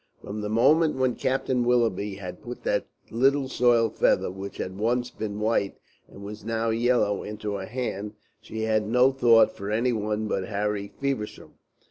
From the moment when Captain Willoughby had put that little soiled feather which had once been white, and was now yellow, into her hand, she had had no thought for any one but Harry Feversham.